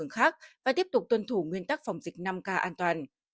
khác và tiếp tục tuân thủ nguyên tắc phòng dịch năm k an toàn